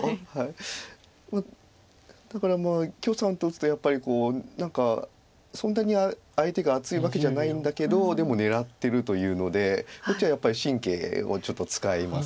だから許さんと打つとやっぱり何かそんなに相手が厚いわけじゃないんだけどでも狙ってるというのでこっちはやっぱり神経をちょっと使います。